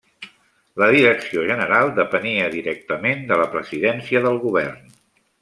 La direcció general depenia directament de la Presidència del govern.